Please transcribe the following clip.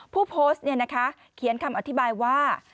ผู้โพสต์เขียนคำอธิบายว่า